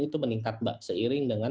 itu meningkat mbak seiring dengan